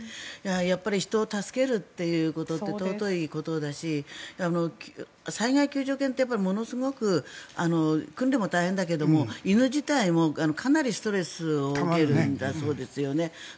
やっぱり人を助けるということって尊いことだし災害救助犬って、ものすごく訓練も大変だけれども犬自体もかなりストレスを受けるんだそうですよね。